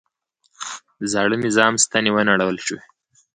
د زاړه نظام ستنې ونړول شوې.